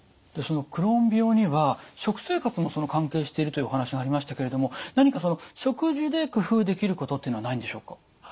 クローン病には食生活も関係しているというお話がありましたけれども何かその食事で工夫できることっていうのはないんでしょうか？